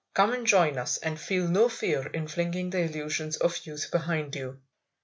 Come and join us, and feel no fear in flinging the illusions of youth behind you."